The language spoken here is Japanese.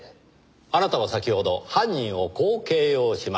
あなたは先ほど犯人をこう形容しました。